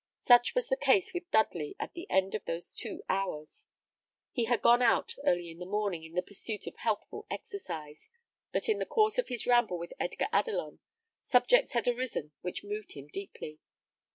Such was the case with Dudley at the end of those two hours. He had gone out early in the morning in the pursuit of healthful exercise; but in the course of his ramble with Edgar Adelon, subjects had arisen which moved him deeply.